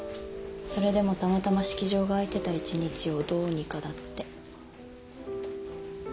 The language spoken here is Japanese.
それでもたまたま式場が空いてた１日をどうにかだって。